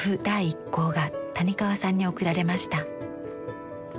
第１稿が谷川さんに送られました。